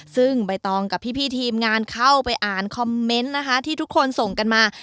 ซึ่งใบตองกับพี่ทีมงานเข้าไปอ่านคอมเมนต์นะคะที่ทุกคนส่งกันมา